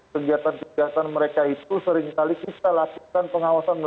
kegiatan kegiatan mereka itu seringkali kita lakukan pengawasan